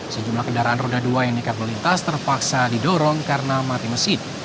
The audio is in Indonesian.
sejumlah kendaraan roda dua yang dekat melintas terpaksa didorong karena mati mesin